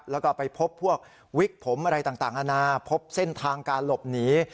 แล้วก็ไปพบพวกวิกผมอะไรต่างอาณาพบเส้นทางการหลบหนี